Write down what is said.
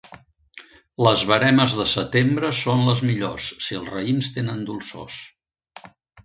Les veremes de setembre són les millors, si els raïms tenen dolçors.